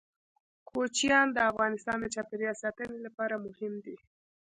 کوچیان د افغانستان د چاپیریال ساتنې لپاره مهم دي.